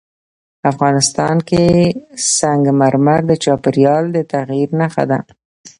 افغانستان کې سنگ مرمر د چاپېریال د تغیر نښه ده.